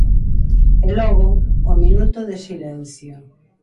E logo, o minuto de silencio.